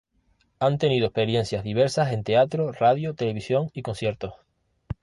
Han tenido experiencias diversas en teatro, radio, televisión y conciertos.